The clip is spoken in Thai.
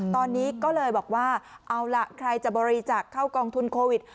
ตอนนี้ก็เลยบอกว่าเอาล่ะใครจะบริจาคเข้ากองทุนโควิด